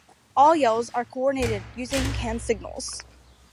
All yells are coordinated using hand signals.